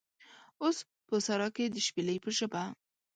اوس په سارا کې د شپیلۍ په ژبه